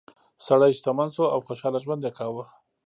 سړی شتمن شو او خوشحاله ژوند یې کاوه.